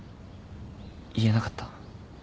言えなかった。